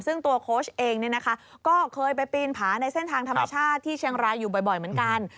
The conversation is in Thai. ซึ่งตัวโค้ชเองก็เคยไปปีนผาในเส้นทางธรรมชาติที่เชียงรายอยู่บ่อยเหมือนกัน